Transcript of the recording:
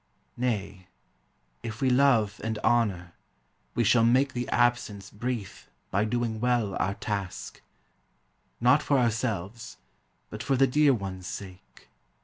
Nay, if we love and honor, we shall make The absence brief by doing well our task, Not for ourselves, but for the dear One's sake.